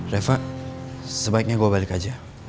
reva sebaiknya gue balik aja